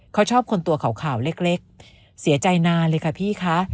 เขาชอบคนตัวขาวเล็กเสียใจนานเลยค่ะพี่คะ